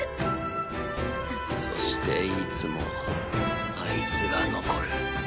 そしていつもあいつが残る。